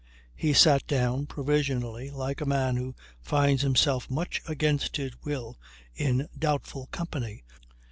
He sat down, provisionally, like a man who finds himself much against his will in doubtful company.